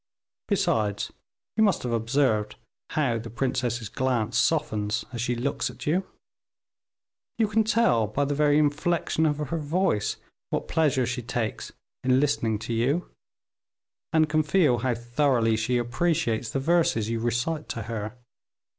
Besides, you must have observed how the princess's glance softens as she looks at you; you can tell, by the very inflection of her voice, what pleasure she takes in listening to you, and can feel how thoroughly she appreciates the verses you recite to her.